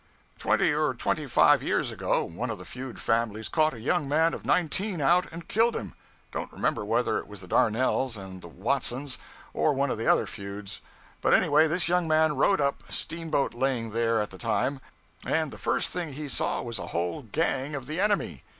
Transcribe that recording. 'Twenty or twenty five years ago, one of the feud families caught a young man of nineteen out and killed him. Don't remember whether it was the Darnells and Watsons, or one of the other feuds; but anyway, this young man rode up steamboat laying there at the time and the first thing he saw was a whole gang of the enemy.